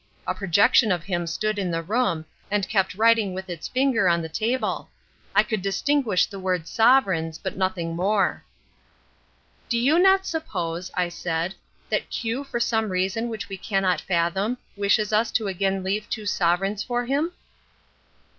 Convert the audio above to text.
A projection of him stood in the room, and kept writing with its finger on the table. I could distinguish the word 'sovereigns,' but nothing more." "Do you not suppose," I said, "that Q for some reason which we cannot fathom, wishes us to again leave two sovereigns for him?"